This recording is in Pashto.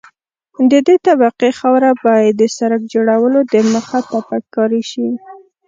د دې طبقې خاوره باید د سرک جوړولو دمخه تپک کاري شي